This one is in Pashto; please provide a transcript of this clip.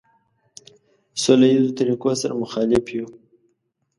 سوله ایزو طریقو سره مخالف یو.